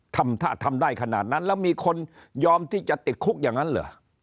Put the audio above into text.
ถ้าทำได้ขนาดนั้นแล้วมีคนยอมที่จะติดคุกอย่างนั้นเหรอ